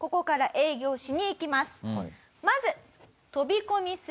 まず。